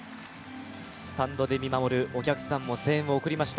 スタンドで見守るお客さんも声援を送りました。